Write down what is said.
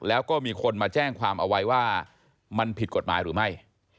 แล้วก็มีคนมาแจ้งความเอาไว้ว่ามันผิดกฎหมายหรือไม่